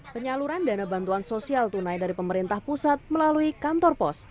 penyaluran dana bantuan sosial tunai dari pemerintah pusat melalui kantor pos